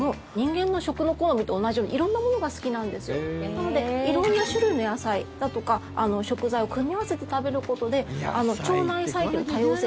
なので色んな種類の野菜とか食材を組み合わせて食べることで腸内細菌の多様性